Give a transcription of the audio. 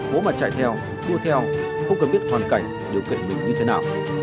bố mà chạy theo đua theo không cần biết hoàn cảnh điều kiện mình như thế nào